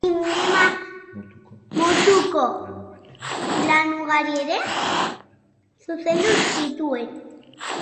Zinema mutuko lan ugari ere zuzendu zituen.